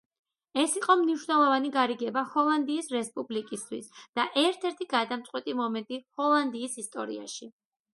ეს იყო მნიშვნელოვანი გარიგება ჰოლანდიის რესპუბლიკისთვის და ერთ-ერთი გადამწყვეტი მომენტი ჰოლანდიის ისტორიაში.